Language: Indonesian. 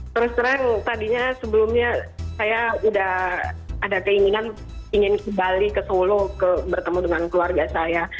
terus terang tadinya sebelumnya saya sudah ada keinginan ingin kembali ke solo bertemu dengan keluarga saya